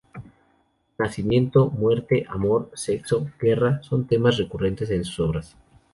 Nacimiento, muerte, amor, sexo, guerra, son temas recurrentes en sus obras.